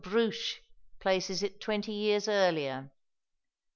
Brugsch places it twenty years earlier.